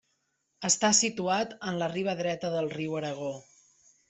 Està situat en la riba dreta del Riu Aragó.